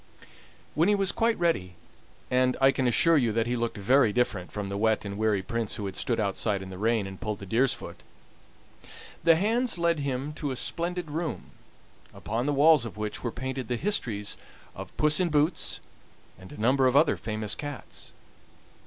When he was quite ready and I can assure you that he looked very different from the wet and weary Prince who had stood outside in the rain, and pulled the deer's foot the hands led him to a splendid room, upon the walls of which were painted the histories of Puss in Boots and a number of other famous cats.